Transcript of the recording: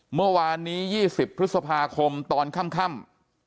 เมื่อวานนี้๒๐พฤษภาคมตอนค่ำ